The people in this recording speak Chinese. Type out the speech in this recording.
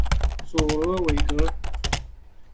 佐洛韦格。